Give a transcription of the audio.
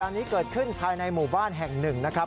อันนี้เกิดขึ้นภายในหมู่บ้านแห่งหนึ่งนะครับ